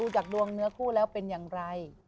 จากดวงเนื้อคู่แล้วเป็นอย่างไร